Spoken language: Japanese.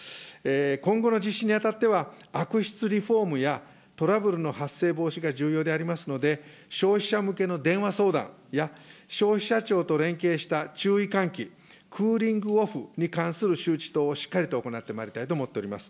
今後の実施にあたっては、悪質リフォームやトラブルの発生防止が重要でありますので、消費者向けの電話相談や、消費者庁と連携した注意喚起、クーリングオフに関する周知等をしっかりと行ってまいりたいと思っております。